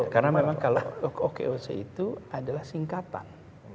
karena memang kalau okoc itu adalah singkatan